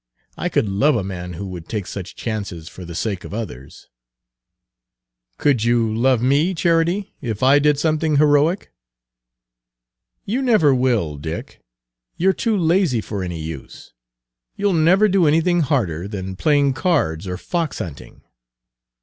I could love a man who would take such chances for the sake of others." "Could you love me, Charity, if I did something heroic?" "You never will, Dick. You're too lazy Page 172 for any use. You'll never do anything harder than playing cards or fox hunting."